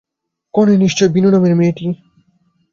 কনে নিশ্চয়ই বিনু নামের মেয়েটি।